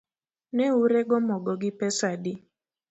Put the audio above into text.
Neurego mogo gi pesa adi